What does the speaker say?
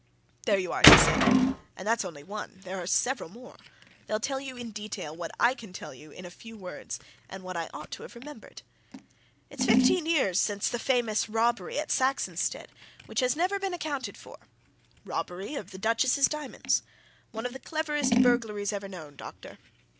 "There you are!" he said. "And that's only one there are several more. They'll tell you in detail what I can tell you in a few words and what I ought to have remembered. It's fifteen years since the famous robbery at Saxonsteade which has never been accounted for robbery of the Duchess's diamonds one of the cleverest burglaries ever known, doctor.